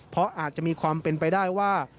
เพราะอาจจะมีความเป็นไปได้ว่า